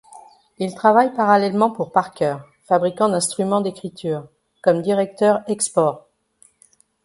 Il travaille parallèlement pour Parker, fabricant d'instruments d'écriture, comme directeur export.